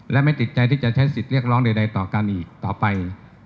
และไม่ติดใจที่จะใช้สิทธิ์เรียกร้องใดต่อกันอีกต่อไป